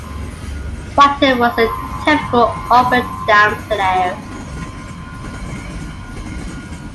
Whiten was a typical up-and-down player.